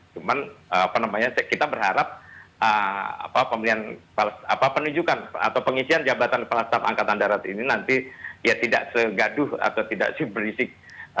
cuman kita berharap penunjukan atau pengisian jabatan kepala staf angkatan darat ini nanti ya tidak segaduh atau tidak sih berisik